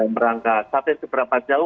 dalam rangka sampai seberapa jauh